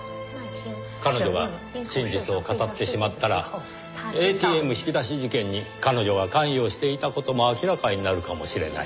彼女が真実を語ってしまったらＡＴＭ引き出し事件に彼女が関与していた事も明らかになるかもしれない。